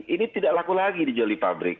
ini tidak laku lagi di joli fabrik